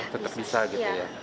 tetap bisa gitu ya